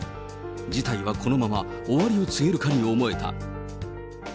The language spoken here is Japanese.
事態はこのまま終わりを告げるかに思えた。